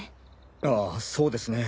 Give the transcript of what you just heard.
あぁそうですね。